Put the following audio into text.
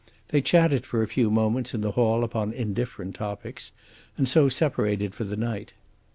They chatted for a few moments in the hall upon indifferent topics and so separated for the night.